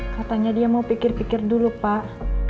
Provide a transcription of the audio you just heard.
katanya dia mau pikir pikir dulu pak